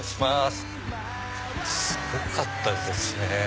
すごかったですね。